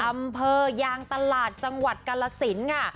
อำเภอยางตลาดจังหวัดกาลสินค่ะ